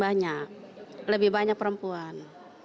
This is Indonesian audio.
banyak lebih banyak perempuan